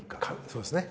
そうですね。